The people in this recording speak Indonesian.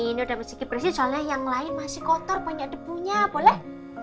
ini udah miss kiki berisi soalnya yang lain masih kotor banyak debunya boleh